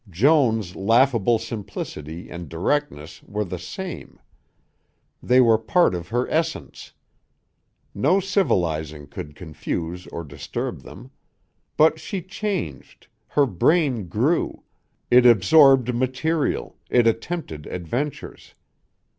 Joan's laughable simplicity and directness were the same; they were part of her essence; no civilizing could confuse or disturb them; but she changed, her brain grew, it absorbed material, it attempted adventures.